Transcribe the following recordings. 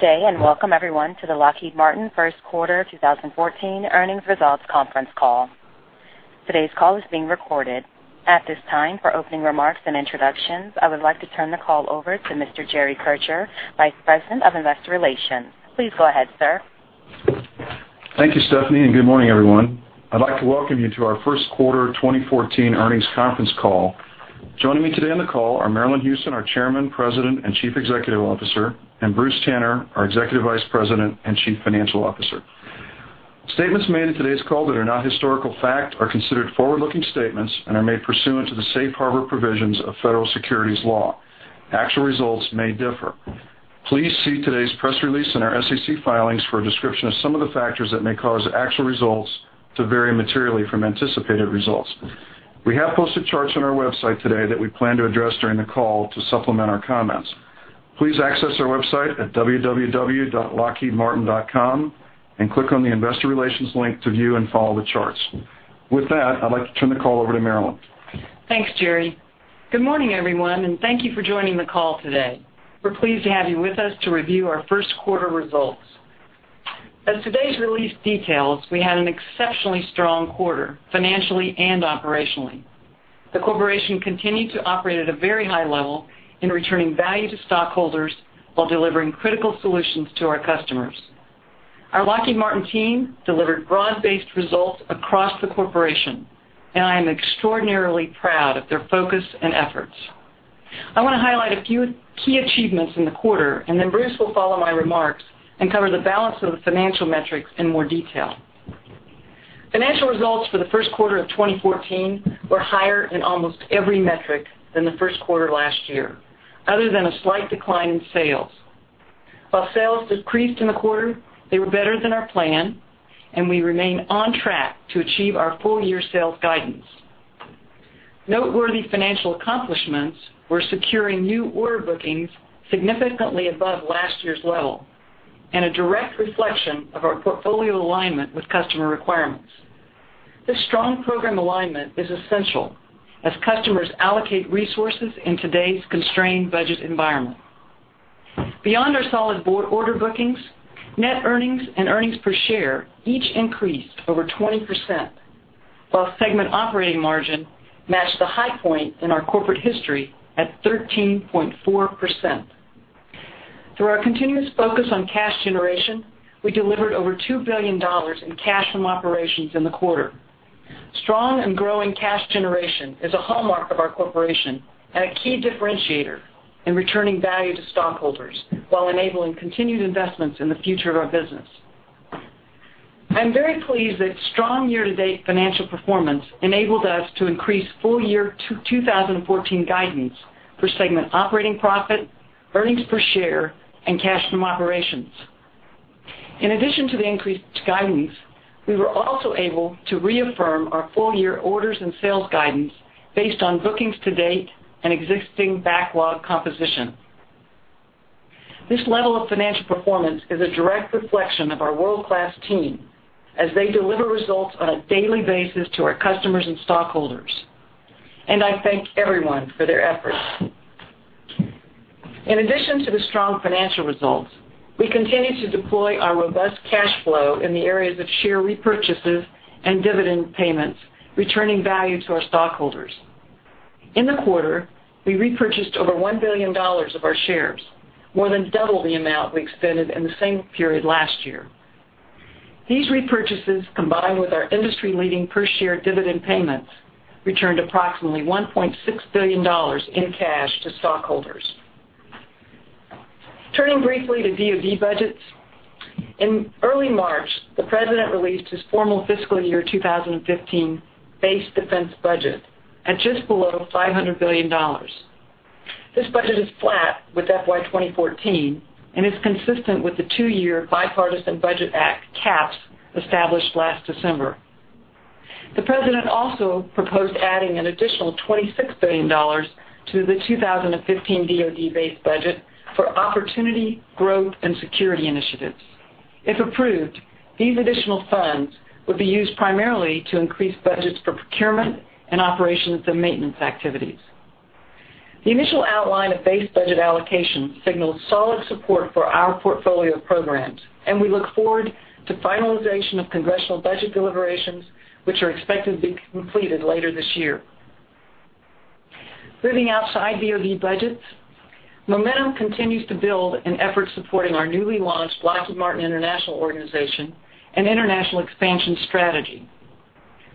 Good day, welcome, everyone, to the Lockheed Martin first quarter 2014 earnings results conference call. Today's call is being recorded. At this time, for opening remarks and introductions, I would like to turn the call over to Mr. Jerry Kircher, Vice President of Investor Relations. Please go ahead, sir. Thank you, Stephanie, good morning, everyone. I'd like to welcome you to our first quarter 2014 earnings conference call. Joining me today on the call are Marillyn Hewson, our Chairman, President, and Chief Executive Officer, and Bruce Tanner, our Executive Vice President and Chief Financial Officer. Statements made in today's call that are not historical fact are considered forward-looking statements and are made pursuant to the safe harbor provisions of federal securities law. Actual results may differ. Please see today's press release and our SEC filings for a description of some of the factors that may cause actual results to vary materially from anticipated results. We have posted charts on our website today that we plan to address during the call to supplement our comments. Please access our website at www.lockheedmartin.com and click on the investor relations link to view and follow the charts. With that, I'd like to turn the call over to Marillyn. Thanks, Jerry. Good morning, everyone, thank you for joining the call today. We're pleased to have you with us to review our first quarter results. As today's release details, we had an exceptionally strong quarter, financially and operationally. The corporation continued to operate at a very high level in returning value to stockholders while delivering critical solutions to our customers. Our Lockheed Martin team delivered broad-based results across the corporation, I am extraordinarily proud of their focus and efforts. I want to highlight a few key achievements in the quarter, Bruce will follow my remarks and cover the balance of the financial metrics in more detail. Financial results for the first quarter of 2014 were higher in almost every metric than the first quarter last year, other than a slight decline in sales. While sales decreased in the quarter, they were better than our plan, and we remain on track to achieve our full-year sales guidance. Noteworthy financial accomplishments were securing new order bookings significantly above last year's level and a direct reflection of our portfolio alignment with customer requirements. This strong program alignment is essential as customers allocate resources in today's constrained budget environment. Beyond our solid order bookings, net earnings and earnings per share each increased over 20%, while segment operating margin matched the high point in our corporate history at 13.4%. Through our continuous focus on cash generation, we delivered over $2 billion in cash from operations in the quarter. Strong and growing cash generation is a hallmark of our corporation and a key differentiator in returning value to stockholders while enabling continued investments in the future of our business. I'm very pleased that strong year-to-date financial performance enabled us to increase full-year 2014 guidance for segment operating profit, earnings per share, and cash from operations. In addition to the increased guidance, we were also able to reaffirm our full-year orders and sales guidance based on bookings to date and existing backlog composition. This level of financial performance is a direct reflection of our world-class team as they deliver results on a daily basis to our customers and stockholders, and I thank everyone for their efforts. In addition to the strong financial results, we continue to deploy our robust cash flow in the areas of share repurchases and dividend payments, returning value to our stockholders. In the quarter, we repurchased over $1 billion of our shares, more than double the amount we expended in the same period last year. These repurchases, combined with our industry-leading per-share dividend payments, returned approximately $1.6 billion in cash to stockholders. Turning briefly to DoD budgets, in early March, the President released his formal fiscal year 2015 base defense budget at just below $500 billion. This budget is flat with FY 2014 and is consistent with the two-year Bipartisan Budget Act caps established last December. The President also proposed adding an additional $26 billion to the 2015 DoD base budget for opportunity, growth, and security initiatives. If approved, these additional funds would be used primarily to increase budgets for procurement and operations and maintenance activities. The initial outline of base budget allocations signals solid support for our portfolio of programs, and we look forward to finalization of congressional budget deliberations, which are expected to be completed later this year. Moving outside DoD budgets, momentum continues to build in efforts supporting our newly launched Lockheed Martin International organization and international expansion strategy.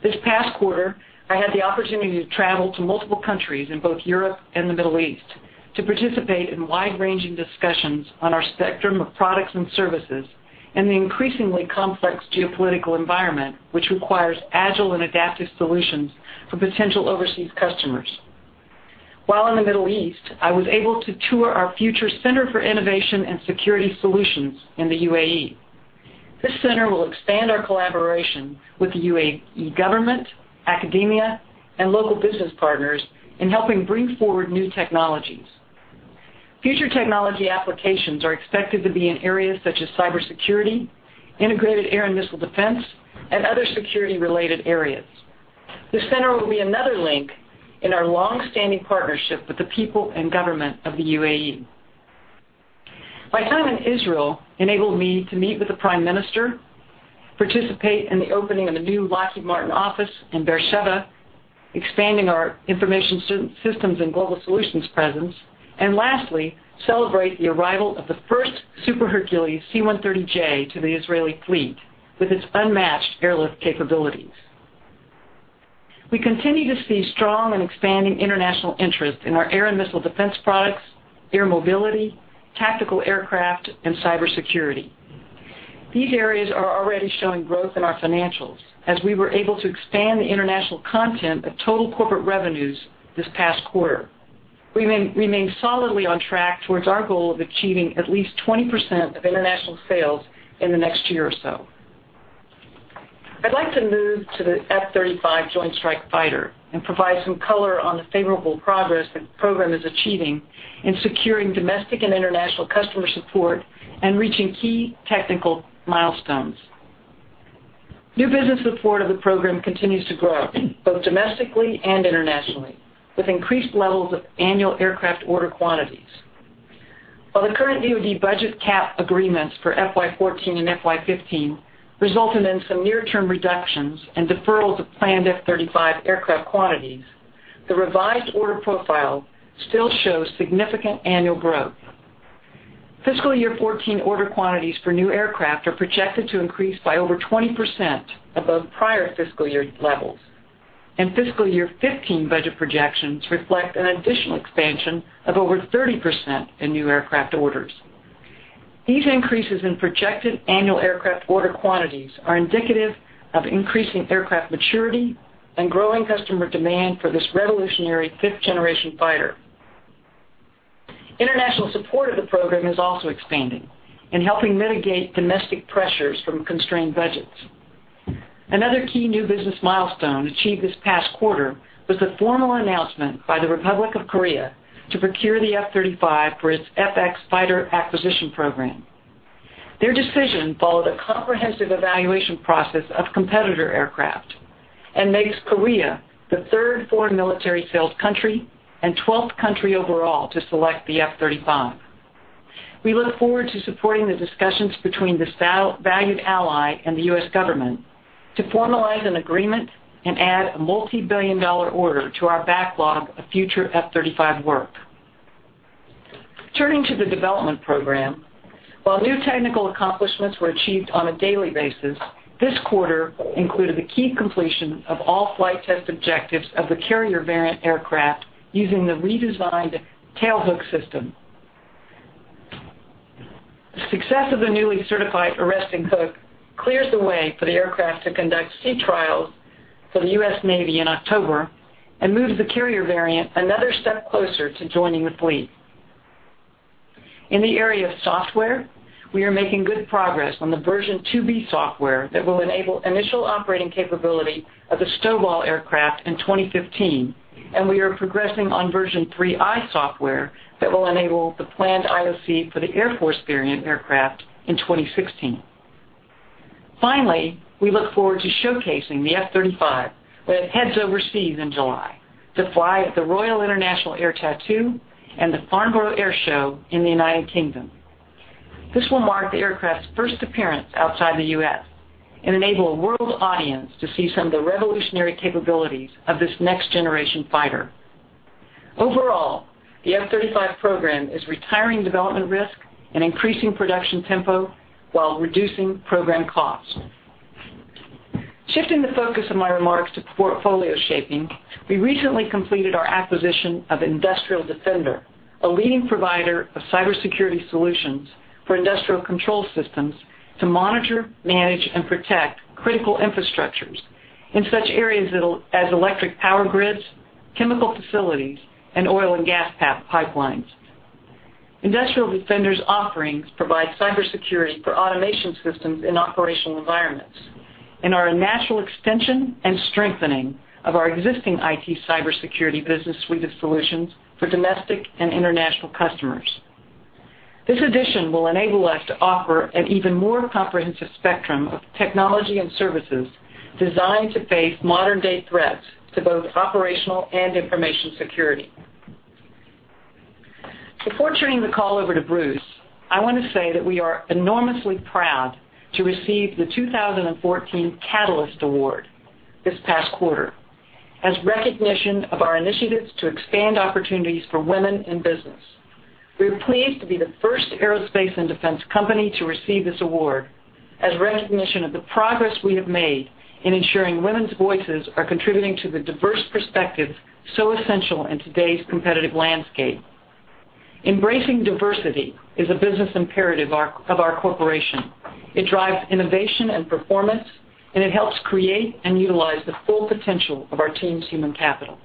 This past quarter, I had the opportunity to travel to multiple countries in both Europe and the Middle East to participate in wide-ranging discussions on our spectrum of products and services in the increasingly complex geopolitical environment, which requires agile and adaptive solutions for potential overseas customers. While in the Middle East, I was able to tour our future Center for Innovation and Security Solutions in the UAE. This center will expand our collaboration with the UAE government, academia, and local business partners in helping bring forward new technologies. Future technology applications are expected to be in areas such as cybersecurity, integrated air and missile defense, and other security-related areas. The center will be another link in our longstanding partnership with the people and government of the UAE. My time in Israel enabled me to meet with the prime minister, participate in the opening of the new Lockheed Martin office in Be'er Sheva, expanding our Information Systems & Global Solutions presence, and lastly, celebrate the arrival of the first C-130J Super Hercules to the Israeli fleet with its unmatched airlift capabilities. We continue to see strong and expanding international interest in our air and missile defense products, air mobility, tactical aircraft, and cybersecurity. These areas are already showing growth in our financials as we were able to expand the international content of total corporate revenues this past quarter. We remain solidly on track towards our goal of achieving at least 20% of international sales in the next year or so. I'd like to move to the F-35 Joint Strike Fighter and provide some color on the favorable progress the program is achieving in securing domestic and international customer support and reaching key technical milestones. New business support of the program continues to grow, both domestically and internationally, with increased levels of annual aircraft order quantities. While the current DoD budget cap agreements for FY 2014 and FY 2015 resulted in some near-term reductions and deferrals of planned F-35 aircraft quantities, the revised order profile still shows significant annual growth. Fiscal year 2014 order quantities for new aircraft are projected to increase by over 20% above prior fiscal year levels, and Fiscal year 2015 budget projections reflect an additional expansion of over 30% in new aircraft orders. These increases in projected annual aircraft order quantities are indicative of increasing aircraft maturity and growing customer demand for this revolutionary fifth-generation fighter. International support of the program is also expanding in helping mitigate domestic pressures from constrained budgets. Another key new business milestone achieved this past quarter was the formal announcement by the Republic of Korea to procure the F-35 for its F-X fighter acquisition program. Their decision followed a comprehensive evaluation process of competitor aircraft and makes Korea the third foreign military sales country and 12th country overall to select the F-35. We look forward to supporting the discussions between this valued ally and the U.S. government to formalize an agreement and add a multibillion-dollar order to our backlog of future F-35 work. Turning to the development program, while new technical accomplishments were achieved on a daily basis, this quarter included the key completion of all flight test objectives of the carrier variant aircraft using the redesigned tailhook system. The success of the newly certified arresting hook clears the way for the aircraft to conduct sea trials for the U.S. Navy in October and moves the carrier variant another step closer to joining the fleet. In the area of software, we are making good progress on the Block 2B software that will enable initial operating capability of the STOVL aircraft in 2015, and we are progressing on Block 3I software that will enable the planned IOC for the Air Force variant aircraft in 2016. Finally, we look forward to showcasing the F-35 when it heads overseas in July to fly at the Royal International Air Tattoo and the Farnborough International Airshow in the United Kingdom. This will mark the aircraft's first appearance outside the U.S. and enable a world audience to see some of the revolutionary capabilities of this next-generation fighter. Overall, the F-35 program is retiring development risk and increasing production tempo while reducing program costs. Shifting the focus of my remarks to portfolio shaping, we recently completed our acquisition of Industrial Defender, a leading provider of cybersecurity solutions for industrial control systems to monitor, manage, and protect critical infrastructures in such areas as electric power grids, chemical facilities, and oil and gas pipelines. Industrial Defender's offerings provide cybersecurity for automation systems in operational environments and are a natural extension and strengthening of our existing IT cybersecurity business suite of solutions for domestic and international customers. This addition will enable us to offer an even more comprehensive spectrum of technology and services designed to face modern-day threats to both operational and information security. Before turning the call over to Bruce, I want to say that we are enormously proud to receive the 2014 Catalyst Award this past quarter as recognition of our initiatives to expand opportunities for women in business. We are pleased to be the first aerospace and defense company to receive this award as recognition of the progress we have made in ensuring women's voices are contributing to the diverse perspectives so essential in today's competitive landscape. Embracing diversity is a business imperative of our corporation. It drives innovation and performance, it helps create and utilize the full potential of our team's human capital.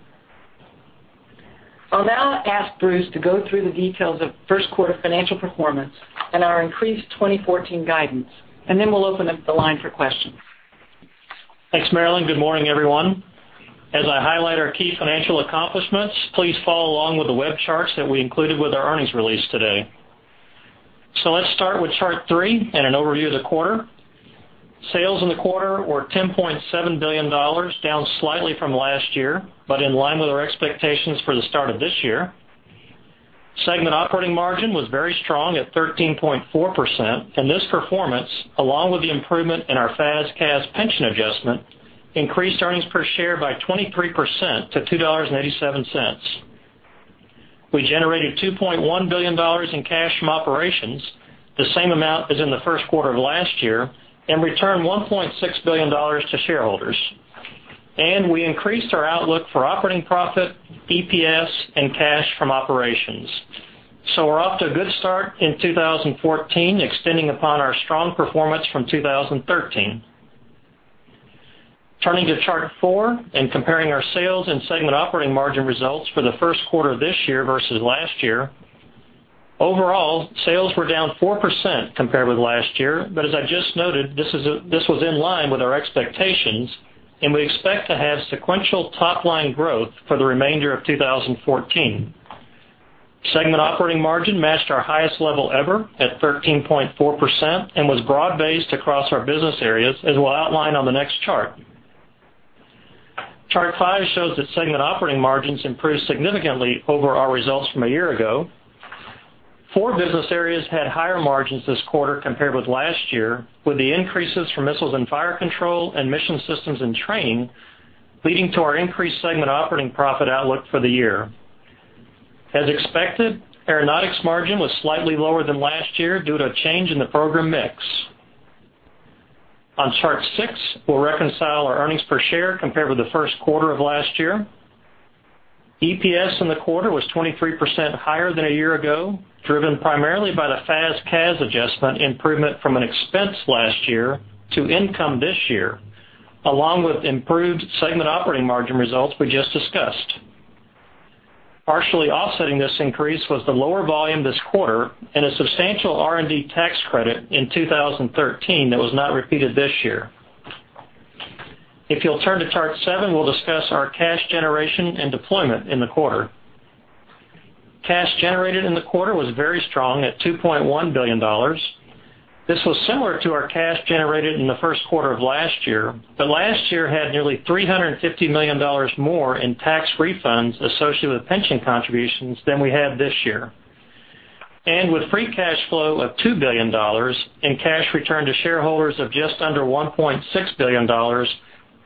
I'll now ask Bruce to go through the details of first quarter financial performance and our increased 2014 guidance, then we'll open up the line for questions. Thanks, Marillyn. Good morning, everyone. As I highlight our key financial accomplishments, please follow along with the web charts that we included with our earnings release today. Let's start with chart three and an overview of the quarter. Sales in the quarter were $10.7 billion, down slightly from last year, but in line with our expectations for the start of this year. Segment operating margin was very strong at 13.4%, and this performance, along with the improvement in our FAS CAS pension adjustment, increased earnings per share by 23% to $2.87. We generated $2.1 billion in cash from operations, the same amount as in the first quarter of last year, returned $1.6 billion to shareholders. We increased our outlook for operating profit, EPS, and cash from operations. We're off to a good start in 2014, extending upon our strong performance from 2013. Turning to chart four and comparing our sales and segment operating margin results for the first quarter this year versus last year. Overall, sales were down 4% compared with last year, but as I just noted, this was in line with our expectations, and we expect to have sequential top-line growth for the remainder of 2014. Segment operating margin matched our highest level ever at 13.4% and was broad-based across our business areas, as we'll outline on the next chart. Chart five shows that segment operating margins improved significantly over our results from a year ago. Four business areas had higher margins this quarter compared with last year, with the increases for Missiles and Fire Control and Mission Systems and Training leading to our increased segment operating profit outlook for the year. As expected, Aeronautics margin was slightly lower than last year due to a change in the program mix. On chart six, we'll reconcile our earnings per share compared with the first quarter of last year. EPS in the quarter was 23% higher than a year ago, driven primarily by the FAS/CAS adjustment improvement from an expense last year to income this year, along with improved segment operating margin results we just discussed. Partially offsetting this increase was the lower volume this quarter and a substantial R&D tax credit in 2013 that was not repeated this year. If you'll turn to chart seven, we'll discuss our cash generation and deployment in the quarter. Cash generated in the quarter was very strong at $2.1 billion. This was similar to our cash generated in the first quarter of last year, but last year had nearly $350 million more in tax refunds associated with pension contributions than we had this year. With free cash flow of $2 billion and cash returned to shareholders of just under $1.6 billion,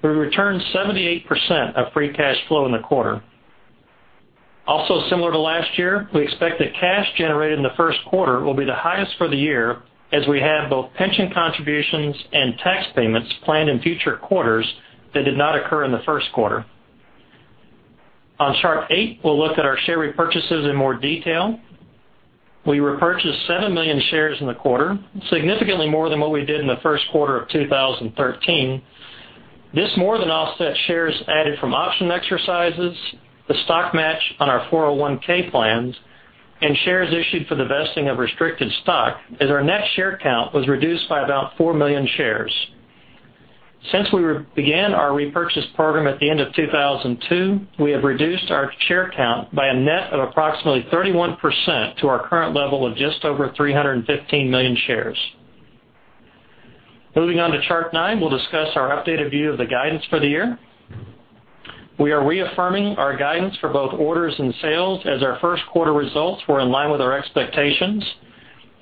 we returned 78% of free cash flow in the quarter. Also similar to last year, we expect that cash generated in the first quarter will be the highest for the year, as we have both pension contributions and tax payments planned in future quarters that did not occur in the first quarter. On chart eight, we'll look at our share repurchases in more detail. We repurchased 7 million shares in the quarter, significantly more than what we did in the first quarter of 2013. This more than offset shares added from option exercises, the stock match on our 401(k) plans, and shares issued for the vesting of restricted stock, as our net share count was reduced by about 4 million shares. Since we began our repurchase program at the end of 2002, we have reduced our share count by a net of approximately 31% to our current level of just over 315 million shares. Moving on to chart nine, we'll discuss our updated view of the guidance for the year. We are reaffirming our guidance for both orders and sales as our first quarter results were in line with our expectations.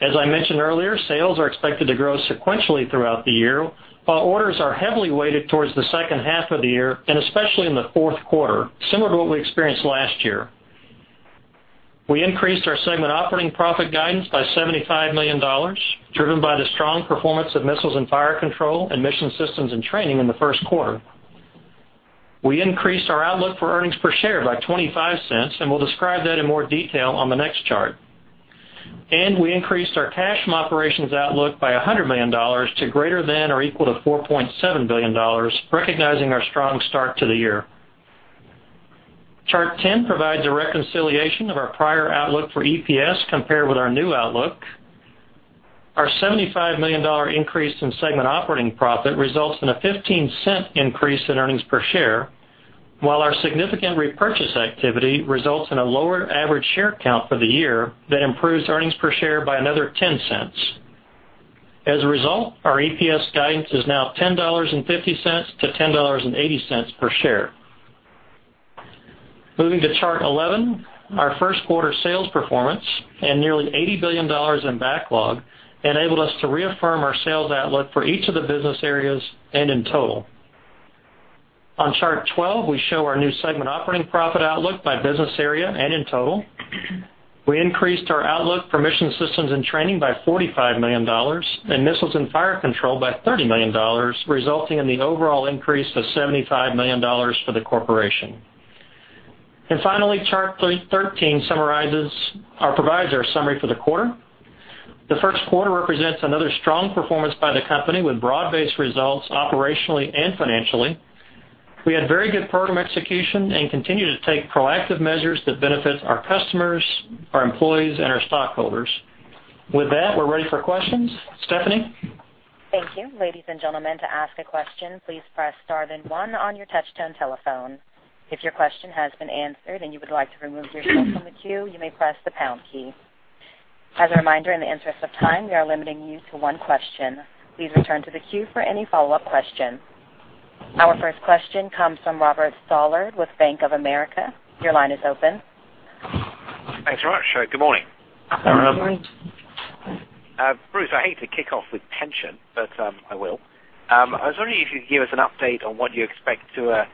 As I mentioned earlier, sales are expected to grow sequentially throughout the year, while orders are heavily weighted towards the second half of the year, and especially in the fourth quarter, similar to what we experienced last year. We increased our segment operating profit guidance by $75 million, driven by the strong performance of Missiles and Fire Control and Mission Systems and Training in the first quarter. We increased our outlook for earnings per share by $0.25. We'll describe that in more detail on the next chart. We increased our cash from operations outlook by $100 million to greater than or equal to $4.7 billion, recognizing our strong start to the year. Chart 10 provides a reconciliation of our prior outlook for EPS compared with our new outlook. Our $75 million increase in segment operating profit results in a $0.15 increase in earnings per share, while our significant repurchase activity results in a lower average share count for the year that improves earnings per share by another $0.10. As a result, our EPS guidance is now $10.50-$10.80 per share. Moving to chart 11, our first quarter sales performance and nearly $80 billion in backlog enabled us to reaffirm our sales outlook for each of the business areas and in total. On chart 12, we show our new segment operating profit outlook by business area and in total. We increased our outlook for Mission Systems and Training by $45 million and Missiles and Fire Control by $30 million, resulting in the overall increase of $75 million for the corporation. Finally, chart 13 provides our summary for the quarter. The first quarter represents another strong performance by the company with broad-based results operationally and financially. We had very good program execution and continue to take proactive measures that benefit our customers, our employees, and our stockholders. With that, we're ready for questions. Stephanie? Thank you. Ladies and gentlemen, to ask a question, please press star then one on your touchtone telephone. If your question has been answered and you would like to remove yourself from the queue, you may press the pound key. As a reminder, in the interest of time, we are limiting you to one question. Please return to the queue for any follow-up question. Our first question comes from Robert Stallard with Bank of America. Your line is open. Thanks very much. Good morning. Good morning. Bruce, I hate to kick off with pension, but I will. I was wondering if you could give us an update on what you expect to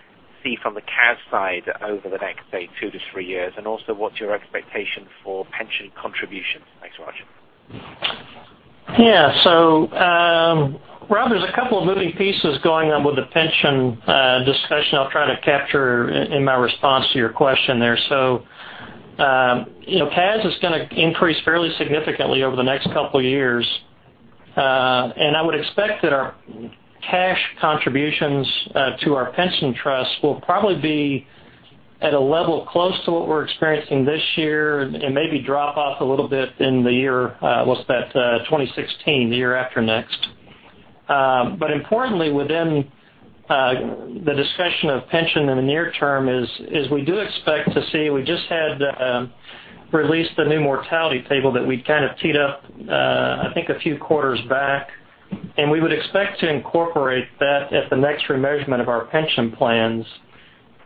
see from the CAS side over the next, say, two to three years, and also what's your expectation for pension contributions. Thanks a lot. Rob, there's a couple of moving pieces going on with the pension discussion I'll try to capture in my response to your question there. CAS is going to increase fairly significantly over the next couple of years. I would expect that our cash contributions to our pension trust will probably be at a level close to what we're experiencing this year and maybe drop off a little bit in the year, what's that, 2016, the year after next. Importantly, within the discussion of pension in the near term is we do expect to see, we just had released the new mortality table that we'd kind of teed up, I think a few quarters back, and we would expect to incorporate that at the next remeasurement of our pension plans.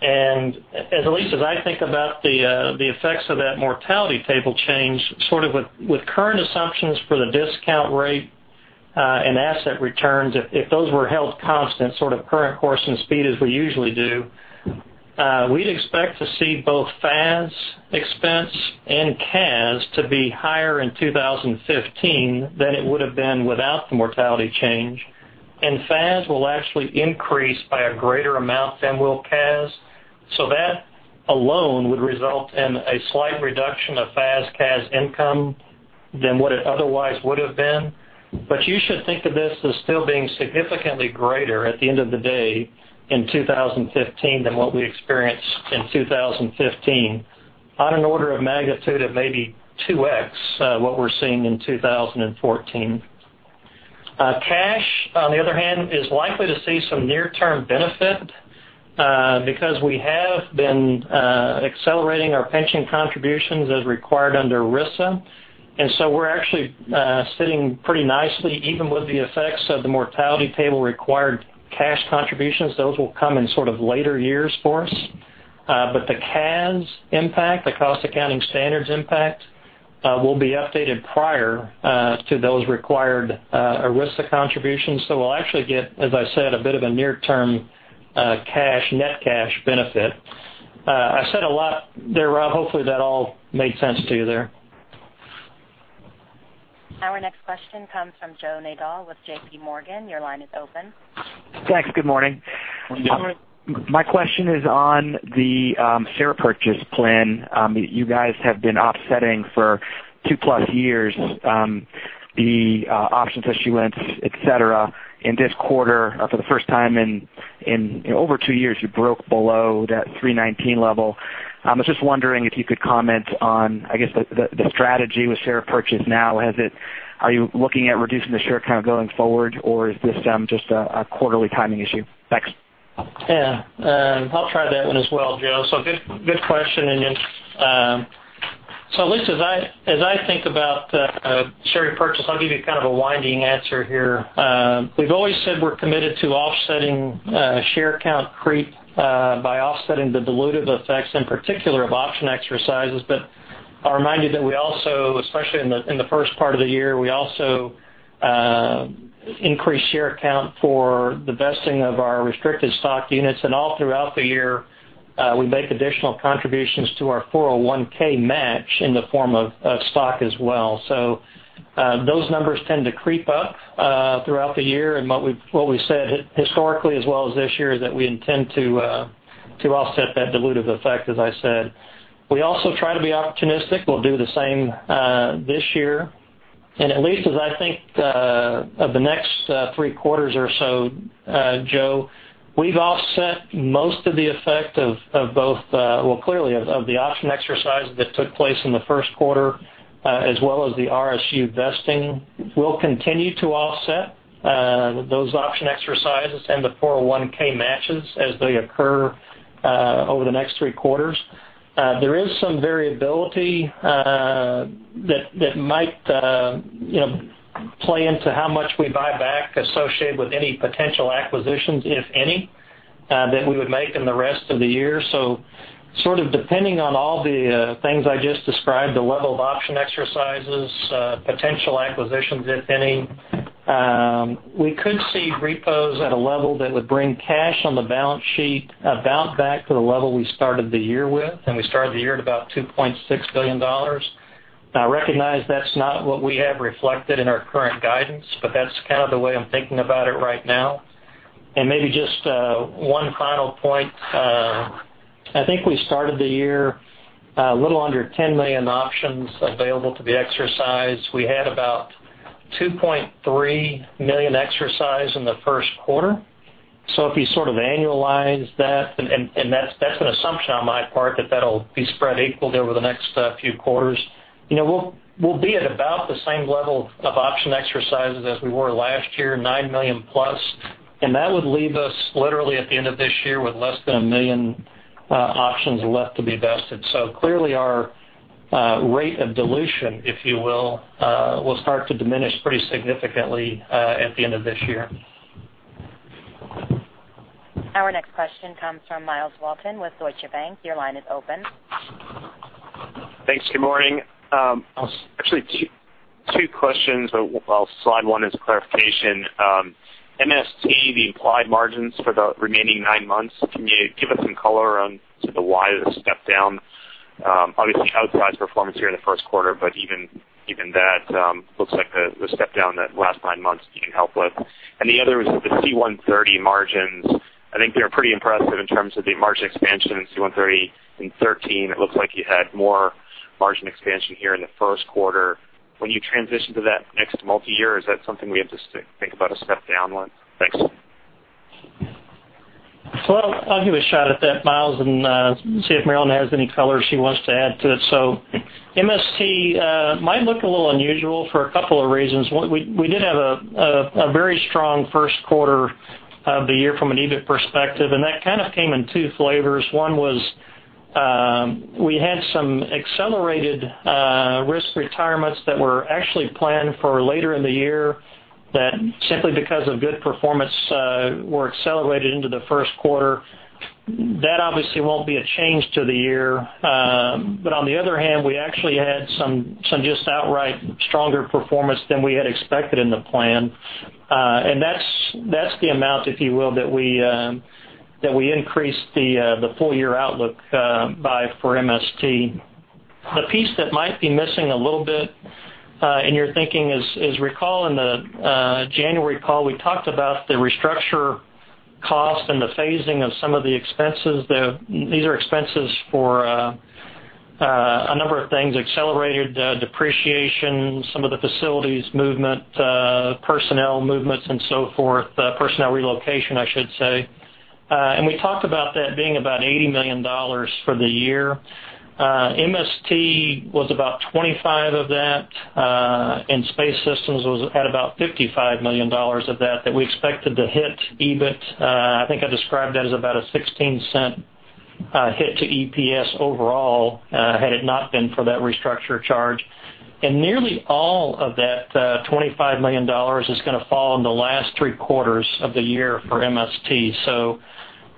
At least as I think about the effects of that mortality table change, sort of with current assumptions for the discount rate, and asset returns, if those were held constant, sort of current course and speed as we usually do, we'd expect to see both FAS expense and CAS to be higher in 2015 than it would have been without the mortality change. FAS will actually increase by a greater amount than will CAS. That alone would result in a slight reduction of FAS/CAS income than what it otherwise would have been. You should think of this as still being significantly greater at the end of the day in 2015 than what we experienced in 2015 on an order of magnitude of maybe 2x, what we're seeing in 2014. Cash, on the other hand, is likely to see some near-term benefit, because we have been accelerating our pension contributions as required under ERISA. We're actually sitting pretty nicely, even with the effects of the mortality table required cash contributions. Those will come in sort of later years for us. The CAS impact, the Cost Accounting Standards impact, will be updated prior to those required ERISA contributions. We'll actually get, as I said, a bit of a near term net cash benefit. I said a lot there, Rob. Hopefully, that all made sense to you there. Our next question comes from Joseph Nadol with JPMorgan. Your line is open. Thanks. Good morning. Good morning. My question is on the share purchase plan. You guys have been offsetting for two-plus years, the options issuance, et cetera. In this quarter, for the first time in over two years, you broke below that 319 level. I was just wondering if you could comment on, I guess, the strategy with share purchase now. Are you looking at reducing the share count going forward, or is this just a quarterly timing issue? Thanks. Yeah. I'll try that one as well, Joe. Good question. At least as I think about share repurchase, I'll give you kind of a winding answer here. We've always said we're committed to offsetting share count creep, by offsetting the dilutive effects, in particular of option exercises. I'll remind you that we also, especially in the first part of the year, we also increase share count for the vesting of our restricted stock units. All throughout the year, we make additional contributions to our 401 match in the form of stock as well. Those numbers tend to creep up throughout the year. What we've said historically as well as this year is that we intend to offset that dilutive effect, as I said. We also try to be opportunistic. We'll do the same this year. At least as I think of the next three quarters or so, Joe, we've offset most of the effect of both, well, clearly of the option exercise that took place in the first quarter, as well as the RSU vesting. We'll continue to offset those option exercises and the 401 matches as they occur over the next three quarters. There is some variability that might play into how much we buy back associated with any potential acquisitions, if any, that we would make in the rest of the year. Sort of depending on all the things I just described, the level of option exercises, potential acquisitions, if any, we could see repos at a level that would bring cash on the balance sheet about back to the level we started the year with, and we started the year at about $2.6 billion. I recognize that's not what we have reflected in our current guidance, but that's kind of the way I'm thinking about it right now. Maybe just one final point. I think we started the year a little under 10 million options available to be exercised. We had about 2.3 million exercised in the first quarter. If you annualize that, and that's an assumption on my part that that'll be spread equal over the next few quarters. We'll be at about the same level of option exercises as we were last year, 9 million+. That would leave us literally at the end of this year with less than 1 million options left to be vested. Clearly our rate of dilution, if you will start to diminish pretty significantly at the end of this year. Our next question comes from Myles Walton with Deutsche Bank. Your line is open. Thanks. Good morning. Actually two questions, but I'll slide one as clarification. MST, the implied margins for the remaining nine months, can you give us some color on to the why of the step down? Obviously, outsized performance here in the first quarter, but even that looks like the step down that last nine months you can help with. The other is the C-130 margins. I think they're pretty impressive in terms of the margin expansion in C-130 in 2013. It looks like you had more margin expansion here in the first quarter. When you transition to that next multi-year, is that something we have to think about a step down on? Thanks. I'll give a shot at that, Myles, and see if Marillyn has any color she wants to add to it. MST might look a little unusual for a couple of reasons. One, we did have a very strong first quarter of the year from an EBIT perspective, and that kind of came in two flavors. One was we had some accelerated risk retirements that were actually planned for later in the year that simply because of good performance were accelerated into the first quarter. That obviously won't be a change to the year. On the other hand, we actually had some just outright stronger performance than we had expected in the plan. That's the amount, if you will, that we increased the full-year outlook by for MST. The piece that might be missing a little bit in your thinking is recall in the January call, we talked about the restructure cost and the phasing of some of the expenses. These are expenses for a number of things, accelerated depreciation, some of the facilities movement, personnel movements, and so forth. Personnel relocation, I should say. We talked about that being about $80 million for the year. MST was about $25 million of that, and Space Systems was at about $55 million of that we expected to hit EBIT. I think I described that as about a $0.16 hit to EPS overall had it not been for that restructure charge. Nearly all of that $25 million is going to fall in the last three quarters of the year for MST.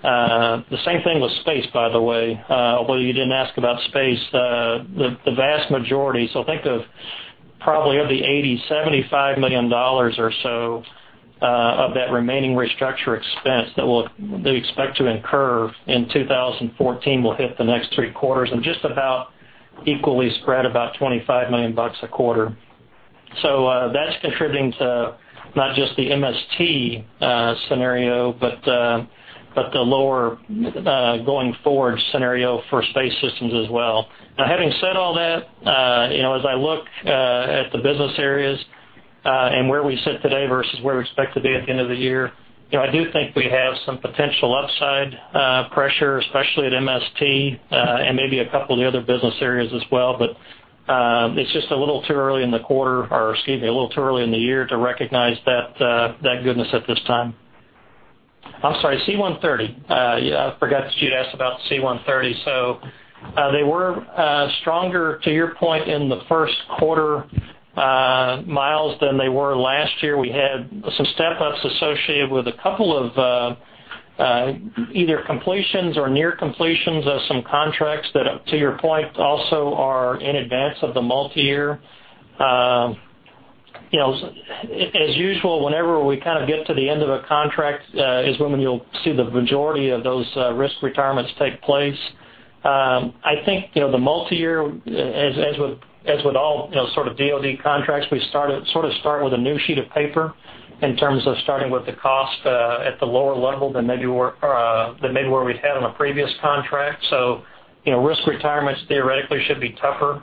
The same thing with Space, by the way, although you didn't ask about Space. The vast majority, think of probably of the $80 million, $75 million or so of that remaining restructure expense that we expect to incur in 2014 will hit the next three quarters and just about equally spread about $25 million a quarter. That's contributing to not just the MST scenario, but the lower going forward scenario for Space Systems as well. Having said all that, as I look at the business areas and where we sit today versus where we expect to be at the end of the year, I do think we have some potential upside pressure, especially at MST and maybe a couple of the other business areas as well. It's just a little too early in the quarter, or excuse me, a little too early in the year to recognize that goodness at this time. I'm sorry, C-130. I forgot that you'd asked about C-130. They were stronger, to your point, in the first quarter, Myles, than they were last year. We had some step-ups associated with a couple of either completions or near completions of some contracts that, to your point, also are in advance of the multi-year. As usual, whenever we kind of get to the end of a contract is when you'll see the majority of those risk retirements take place. I think, the multi-year, as with all sort of DoD contracts, we sort of start with a new sheet of paper in terms of starting with the cost at the lower level than maybe where we had on a previous contract. Risk retirements theoretically should be tougher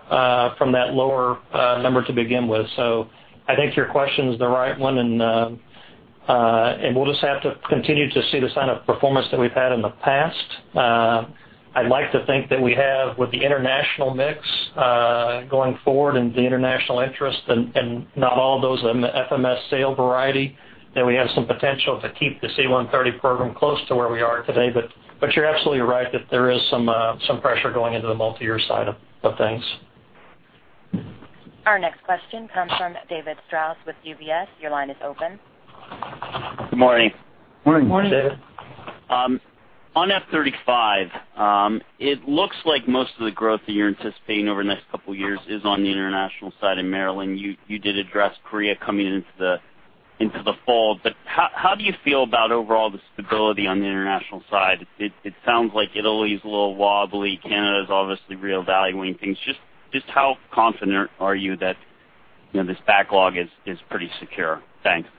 from that lower number to begin with. I think your question's the right one, and we'll just have to continue to see the sign of performance that we've had in the past. I'd like to think that we have, with the international mix going forward and the international interest and not all of those in the FMS sale variety, that we have some potential to keep the C-130 program close to where we are today. You're absolutely right that there is some pressure going into the multi-year side of things. Our next question comes from David Strauss with UBS. Your line is open. Good morning. Morning. Morning. On F-35, it looks like most of the growth that you're anticipating over the next couple of years is on the international side. Marillyn, you did address Korea coming into the fall. How do you feel about overall the stability on the international side? It sounds like Italy's a little wobbly. Canada's obviously reevaluating things. Just how confident are you that this backlog is pretty secure? Thanks.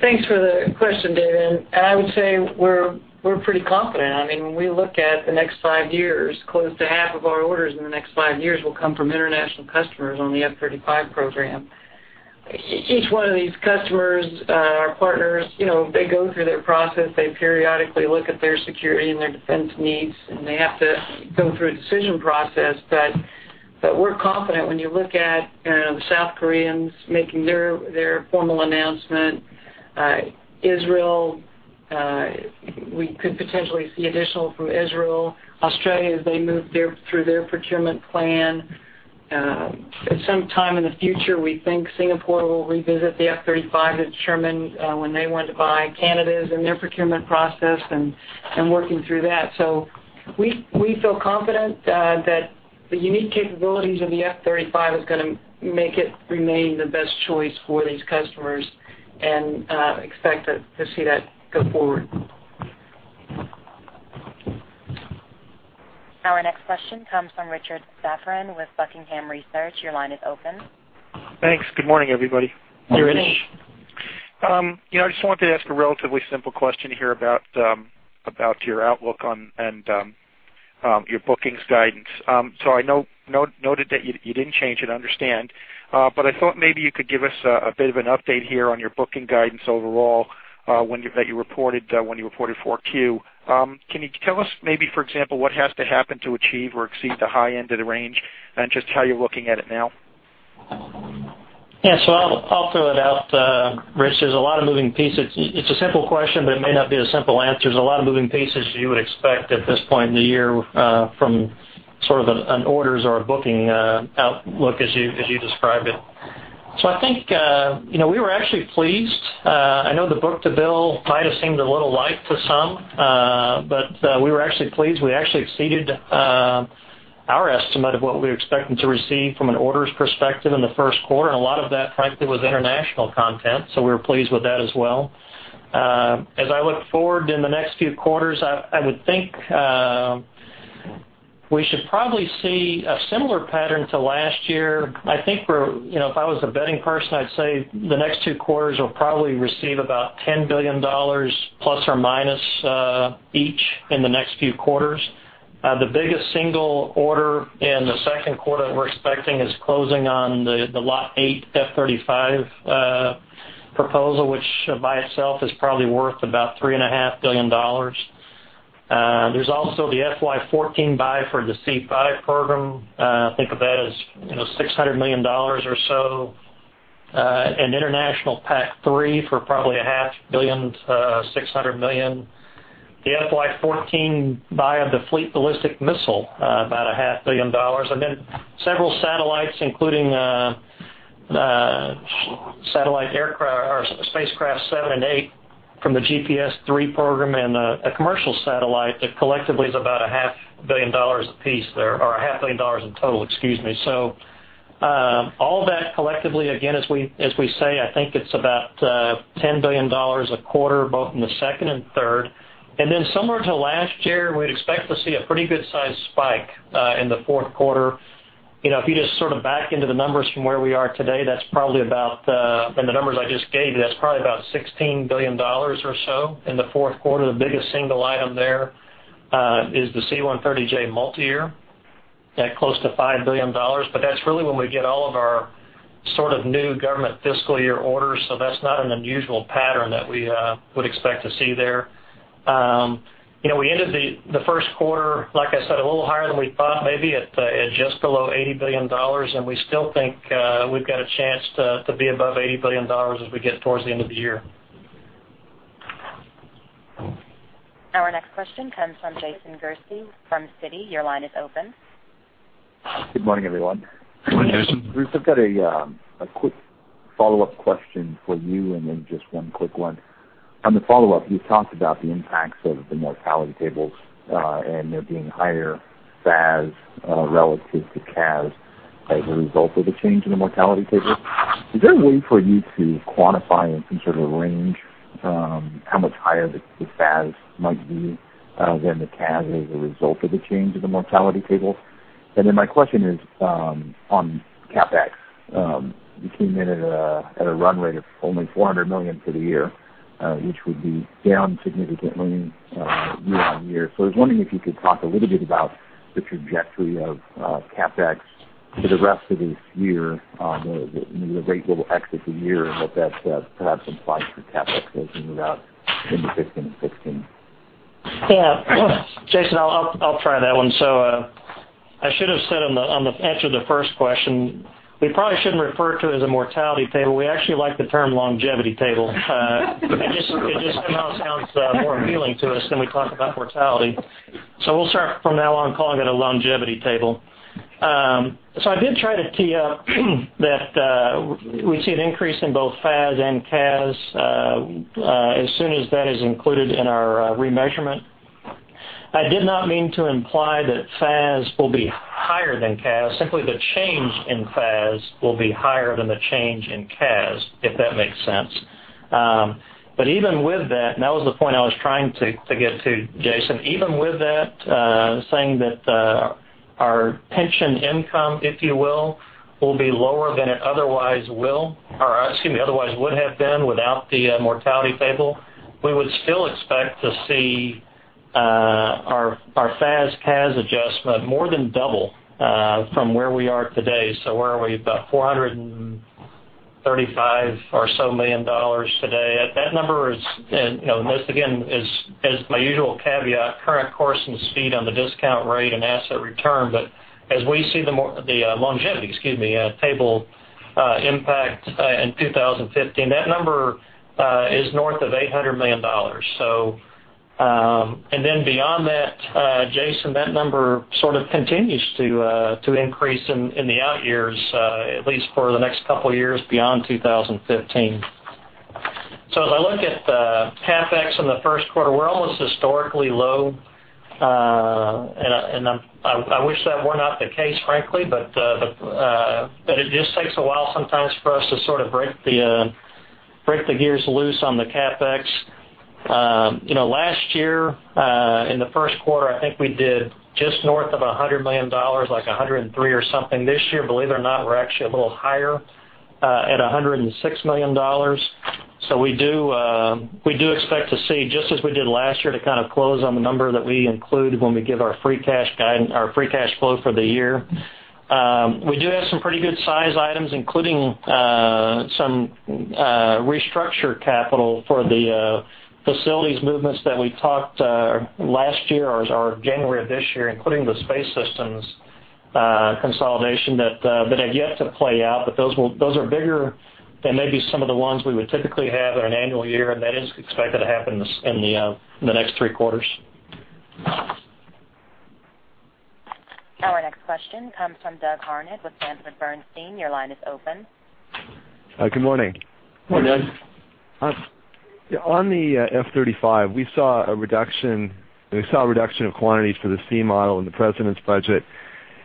Thanks for the question, David. I would say we're pretty confident. When we look at the next five years, close to half of our orders in the next five years will come from international customers on the F-35 program. Each one of these customers, our partners, they go through their process. They periodically look at their security and their defense needs, and they have to go through a decision process. We're confident when you look at the South Koreans making their formal announcement, Israel, we could potentially see additional from Israel. Australia, as they move through their procurement plan. At some time in the future, we think Singapore will revisit the F-35 it turned down when they went to buy. Canada is in their procurement process and working through that. We feel confident that the unique capabilities of the F-35 is going to make it remain the best choice for these customers and expect to see that go forward. Our next question comes from Richard Safran with Buckingham Research. Your line is open. Thanks. Good morning, everybody. Good morning. I just wanted to ask a relatively simple question here about your outlook and your bookings guidance. I noted that you didn't change it, understand. I thought maybe you could give us a bit of an update here on your booking guidance overall, that you reported when you reported 4Q. Can you tell us maybe, for example, what has to happen to achieve or exceed the high end of the range and just how you're looking at it now? Yeah. I'll throw it out. Rich, there's a lot of moving pieces. It's a simple question, it may not be a simple answer. There's a lot of moving pieces you would expect at this point in the year from sort of an orders or a booking outlook as you described it. I think we were actually pleased. I know the book-to-bill might have seemed a little light to some. We were actually pleased. We actually exceeded our estimate of what we were expecting to receive from an orders perspective in the first quarter, and a lot of that, frankly, was international content. We were pleased with that as well. As I look forward in the next few quarters, I would think we should probably see a similar pattern to last year. I think if I was a betting person, I'd say the next 2 quarters will probably receive about $10 billion plus or minus each in the next few quarters. The biggest single order in the second quarter we're expecting is closing on the Lot 8 F-35 proposal, which by itself is probably worth about $3.5 billion. There's also the FY 2014 buy for the C-5 program. Think of that as $600 million or so. An international PAC-3 for probably a half billion, $600 million. The FY 2014 buy of the Fleet Ballistic Missile, about a half billion dollars. Then several satellites, including spacecraft seven and eight from the GPS III program and a commercial satellite that collectively is about a half billion dollars in total. All that collectively, again, as we say, I think it's about $10 billion a quarter, both in the second and third. Similar to last year, we'd expect to see a pretty good-sized spike in the fourth quarter. If you just sort of back into the numbers from where we are today, that's probably about, in the numbers I just gave you, that's probably about $16 billion or so in the fourth quarter. The biggest single item there is the C-130J multi-year at close to $5 billion. That's really when we get all of our sort of new government fiscal year orders. That's not an unusual pattern that we would expect to see there. We ended the first quarter, like I said, a little higher than we thought, maybe at just below $80 billion, and we still think we've got a chance to be above $80 billion as we get towards the end of the year. Our next question comes from Jason Gursky from Citigroup. Your line is open. Good morning, everyone. Good morning, Jason. Bruce, I've got a quick follow-up question for you, and then just one quick one. On the follow-up, you talked about the impacts of the mortality tables and there being higher FAS relative to CAS as a result of the change in the mortality table. Is there a way for you to quantify in some sort of range how much higher the FAS might be than the CAS as a result of the change in the mortality table? My question is on CapEx. You came in at a run rate of only $400 million for the year, which would be down significantly year-on-year. I was wondering if you could talk a little bit about the trajectory of CapEx for the rest of this year, the rate it will exit the year, and what that perhaps implies for CapEx as we move out into 2015 and 2016. Yeah. Jason, I'll try that one. I should have said on the answer to the first question, we probably shouldn't refer to it as a mortality table. We actually like the term longevity table. It just somehow sounds more appealing to us than we talk about mortality. We'll start from now on calling it a longevity table. I did try to tee up that we see an increase in both FAS and CAS as soon as that is included in our remeasurement. I did not mean to imply that FAS will be higher than CAS. Simply the change in FAS will be higher than the change in CAS, if that makes sense. Even with that, and that was the point I was trying to get to, Jason. Even with that, saying that our pension income, if you will be lower than it otherwise would have been without the mortality table, we would still expect to see our FAS/CAS adjustment more than double from where we are today. Where are we? About $435 million today. That number is, and once again, as my usual caveat, current course and speed on the discount rate and asset return. As we see the longevity, excuse me, table impact in 2015, that number is north of $800 million. Beyond that, Jason, that number sort of continues to increase in the out years, at least for the next couple of years beyond 2015. As I look at the CapEx in the first quarter, we're almost historically low. I wish that were not the case, frankly, but it just takes a while sometimes for us to sort of break the gears loose on the CapEx. Last year, in the first quarter, I think we did just north of $100 million, like $103 or something. This year, believe it or not, we're actually a little higher at $106 million. We do expect to see, just as we did last year, to kind of close on the number that we include when we give our free cash flow for the year. We do have some pretty good size items, including some restructure capital for the facilities movements that we talked last year or January of this year, including the space systems consolidation that have yet to play out. Those are bigger than maybe some of the ones we would typically have in an annual year, and that is expected to happen in the next three quarters. Our next question comes from Doug Harned with Sanford Bernstein. Your line is open. Good morning. Morning, Doug. On the F-35, we saw a reduction of quantities for the C model in the president's budget,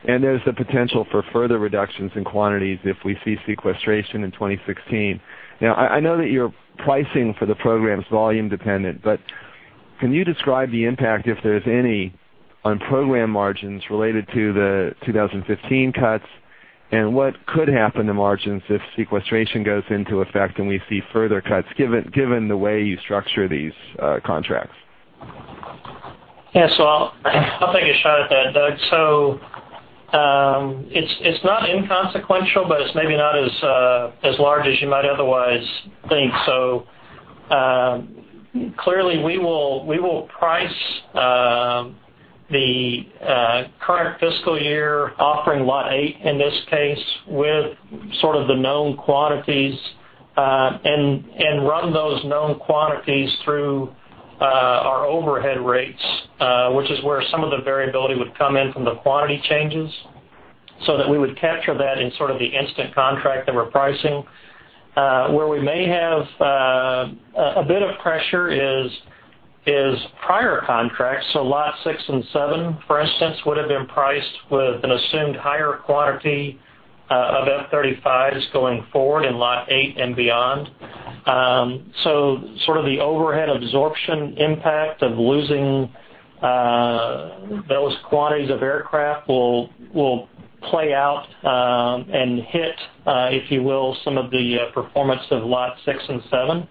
and there's the potential for further reductions in quantities if we see sequestration in 2016. Now, I know that your pricing for the program is volume dependent, but can you describe the impact, if there's any, on program margins related to the 2015 cuts, and what could happen to margins if sequestration goes into effect and we see further cuts, given the way you structure these contracts? Yeah. I'll take a shot at that, Doug. It's not inconsequential, but it's maybe not as large as you might otherwise think. Clearly, we will price the current fiscal year offering Lot 8 in this case with sort of the known quantities, and run those known quantities through our overhead rates, which is where some of the variability would come in from the quantity changes, so that we would capture that in sort of the instant contract that we're pricing. Where we may have a bit of pressure is prior contracts. Lot 6 and 7, for instance, would have been priced with an assumed higher quantity of F-35s going forward in Lot 8 and beyond. Sort of the overhead absorption impact of losing those quantities of aircraft will play out, and hit, if you will, some of the performance of Lot 6 and 7.